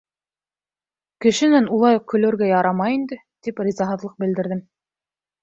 — Кешенән улай уҡ көлөргә ярамай инде, — тип ризаһыҙлыҡ белдерҙем.